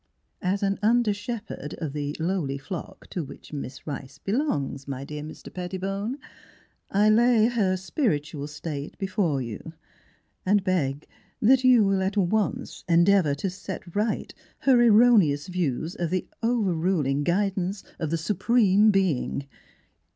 As an under shepherd of the lowly flock to which Miss Rice belongs, my dear Mr. Pettibone, I lay her spiritual state before you, and beg that you will at once en deavor to set right her erro neous views of the overruling guidance of the Supreme Being.